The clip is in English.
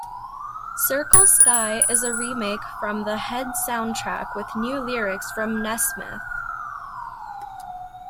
"Circle Sky" is a remake from the "Head" soundtrack, with new lyrics from Nesmith.